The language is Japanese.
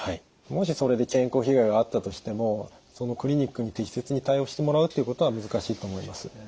もしそれで健康被害があったとしてもそのクリニックに適切に対応してもらうっていうことは難しいと思います。